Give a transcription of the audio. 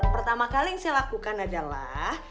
pertama kali yang saya lakukan adalah